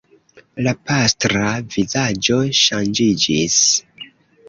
La pastra vizaĝo ŝanĝiĝis.